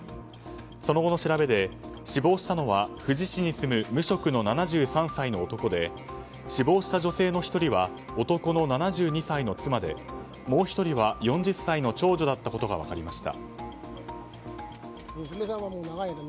その後の調べで死亡したのは富士宮市に住む無職の７３歳の男で死亡した女性の１人は男の７２歳の妻でもう１人は４０歳の長女だったことが分かりました。